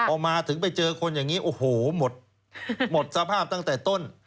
พอมาถึงไปเจอคนอย่างนี้โอ้โหหมดสภาพตั้งแต่ต้น